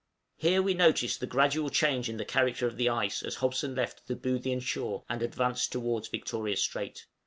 Here we notice the gradual change in the character of the ice as Hobson left the Boothian shore and advanced towards Victoria Strait.